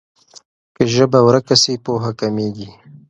که ژبه ورکه سي پوهه کمېږي.